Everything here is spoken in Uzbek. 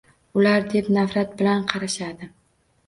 Ular deb nafrat bilan qarashadi.